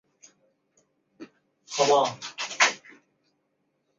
有研究者认为依西可能是鲈鳗或鲢鱼群。